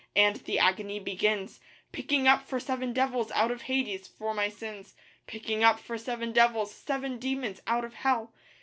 and the agony begins, Picking up for seven devils out of Hades for my sins; Picking up for seven devils, seven demons out of Hell!